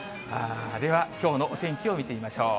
ではきょうのお天気を見てみましょう。